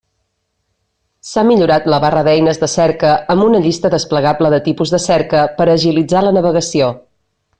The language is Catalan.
S'ha millorat la barra d'eines de cerca amb una llista desplegable de tipus de cerca per a agilitzar la navegació.